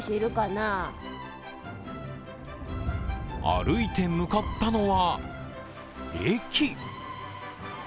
歩いて向かったのは駅。